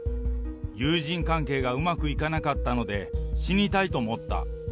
友人関係がうまくいかなかったので、死にたいと思った。